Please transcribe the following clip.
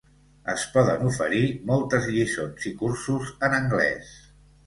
Es poden oferir moltes lliçons i cursos en anglès.